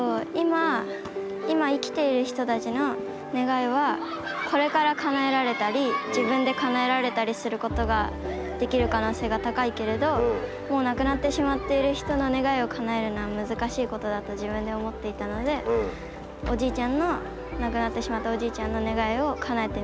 今生きている人たちの願いはこれからかなえられたり自分でかなえられたりすることができる可能性が高いけれどもう亡くなってしまっている人の願いをかなえるのは難しいことだと自分で思っていたのでおじいちゃんの亡くなってしまったおじいちゃんの願いをかなえてみようと思いました。